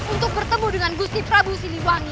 untuk bertemu dengan gusti prabu siliwangi